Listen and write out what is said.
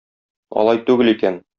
Алай түгел икән.